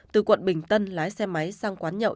từ quận bình tân lái xe máy sang quán nhậu